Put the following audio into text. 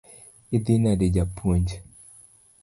Idhi nade japuonj?